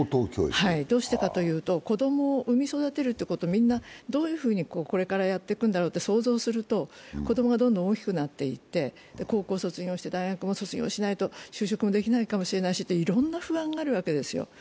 どうしてかというと、子供を産み・育てるということをみんなどういうふうにこれからやっていくんだろうと想像すると子供がどんどん大きくなって高校卒業、大学も出ないと就職ができないかもしれないしっていういろいろな不安があるわけですよ。